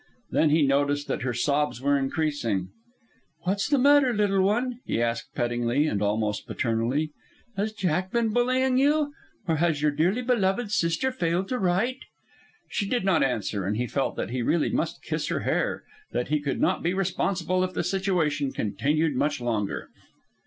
Then he noticed that her sobs were increasing. "What's the matter, little one?" he asked pettingly and almost paternally. "Has Jack been bullying you? Or has your dearly beloved sister failed to write?" She did not answer, and he felt that he really must kiss her hair, that he could not be responsible if the situation continued much longer.